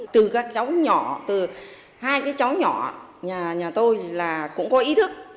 từ các cháu nhỏ từ hai cái cháu nhỏ nhà tôi là cũng có ý thức